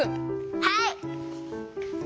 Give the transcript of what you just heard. はい！